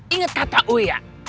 ingat kata u ya